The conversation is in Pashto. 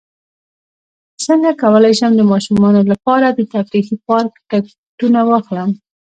څنګه کولی شم د ماشومانو لپاره د تفریحي پارک ټکټونه واخلم